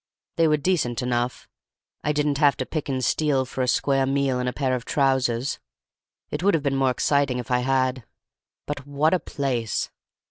They were decent enough. I didn't have to pick and steal for a square meal and a pair of trousers; it would have been more exciting if I had. But what a place!